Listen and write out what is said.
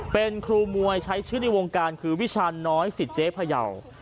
เป็นครูมวยใช้ชื่อในวงการคือวิชาณน้อยสิทธิเจ๊พยาว